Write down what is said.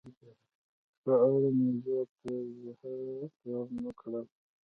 د دولچ په اړه مې زیات توضیحات ور نه کړل.